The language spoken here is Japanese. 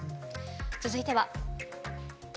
続いては。